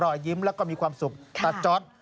ร่อยยิ้มและมีความสุขตาจอส